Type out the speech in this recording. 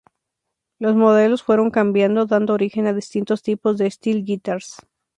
Los modelos fueron cambiando, dando origen a distintos tipos de "Steel Guitars".